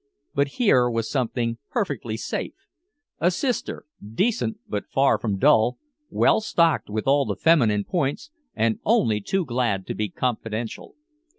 But here was something perfectly safe. A sister, decent but far from dull, well stocked with all the feminine points and only too glad to be confidential.